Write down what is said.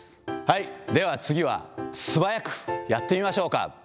では次は、素早くやってみましょうか。